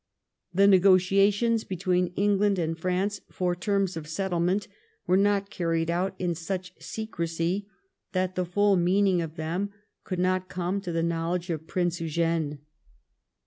The negotiations between England and France for terms of settlement were not carried on in such 1712 EUGENE IN ENGLAND. 51 secrecy that the full meaning of them could not come to the knowledge of Prince Eugene.